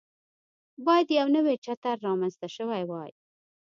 باید یو نوی چتر رامنځته شوی وای.